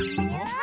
あ！